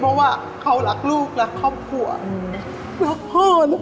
เพราะว่าเขารักลูกรักครอบครัวรักพ่อลูก